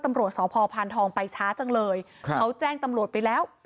ตำรวจสพพานทองไปช้าจังเลยครับเขาแจ้งตำรวจไปแล้ว